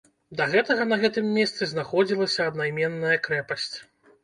Да гэтага на гэтым месцы знаходзілася аднайменная крэпасць.